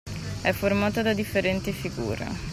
È formata da differenti figure.